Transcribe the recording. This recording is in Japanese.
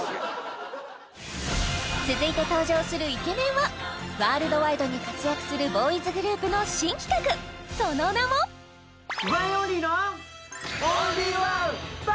続いて登場するイケメンはワールドワイドに活躍するボーイズグループの新企画その名もフー！